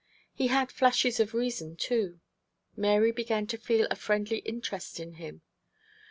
He had flashes of reason, too. Mary began to feel a friendly interest in him.